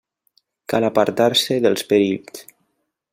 Cal apartar-se dels perills.